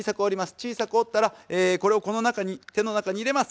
小さく折ったらこれをこの中に手の中に入れます。